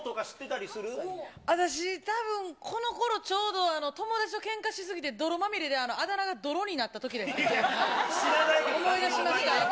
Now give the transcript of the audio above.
私、たぶん、このころ、ちょうど、友達とけんかし過ぎて、泥まみれであだ名が泥になったときで、思い出しました。